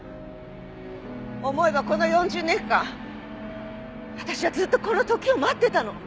思えばこの４０年間私はずっとこの時を待ってたの。